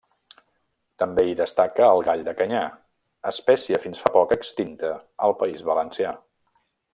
També hi destaca el gall de canyar, espècie fins fa poc extinta al País Valencià.